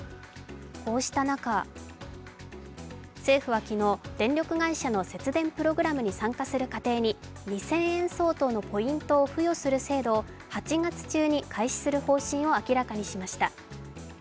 こうした中、政府は昨日、電力会社の節電プログラムに参加する家庭に２０００円相当のポイントを付与する制度を８月中に開始する方針を明らかにしました。